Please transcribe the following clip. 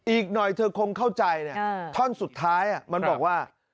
อีกหน่อยเธอคงเข้าใจท่อนสุดท้ายมันบอกว่า